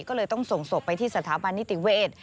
ก็เลยต้องส่งศพไปที่สถาบันนิติเวศ